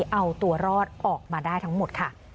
เอาตัวรอดออกมาได้ทั้งหมดค่ะ